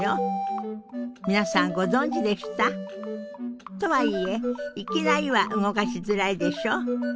皆さんご存じでした？とはいえいきなりは動かしづらいでしょ？